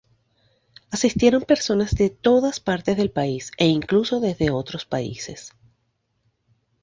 Asistieron personas de todas partes del país e incluso desde otros países.